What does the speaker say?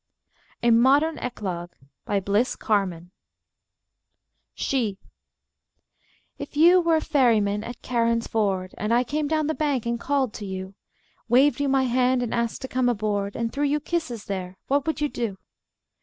A MODERN ECLOGUE BY BLISS CARMAN SHE If you were ferryman at Charon's ford, And I came down the bank and called to you, Waved you my hand and asked to come aboard, And threw you kisses there, what would you do?